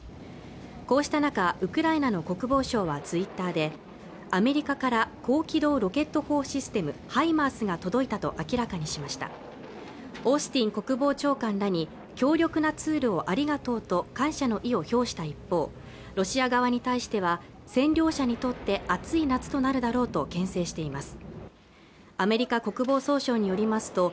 こうした中ウクライナの国防省はツイッターでアメリカから高機動ロケット砲システムＨＩＭＡＲＳが届いたと明らかにしましたオースティン国防長官らに強力なツールをありがとうと感謝の意を表した一方ロシア側に対しては占領者にとって暑い夏となるだろうとけん制しています